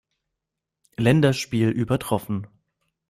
Länderspiel übertroffen.